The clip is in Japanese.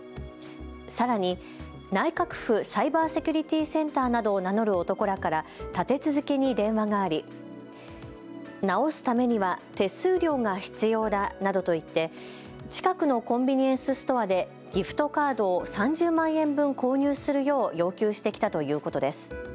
さらに内閣府サイバーセキュリティーセンターなどを名乗る男らから立て続けに電話があり、直すためには手数料が必要だなどと言って近くのコンビニエンスストアでギフトカードを３０万円分購入するよう要求してきたということです。